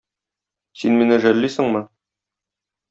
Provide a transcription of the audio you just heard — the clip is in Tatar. Син мине жәллисеңме?